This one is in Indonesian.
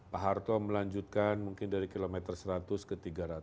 pak harto melanjutkan mungkin dari kilometer seratus ke tiga ratus